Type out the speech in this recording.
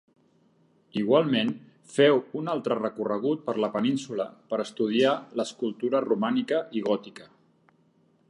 Igualment feu un altre recorregut per la Península per estudiar l'escultura romànica i gòtica.